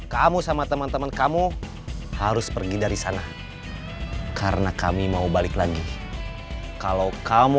kamu sama teman teman kamu harus pergi dari sana karena kami mau balik lagi kalau kamu